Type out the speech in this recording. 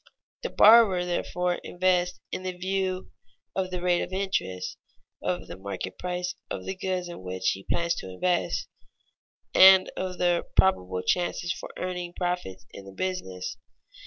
The borrower, therefore, invests in view of the rate of interest, of the market price of the goods in which he plans to invest, and of the probable chances for earning profits in the business.